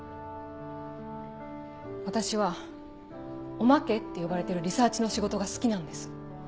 私はおまけって呼ばれてるリサーチの仕事が好きなんです。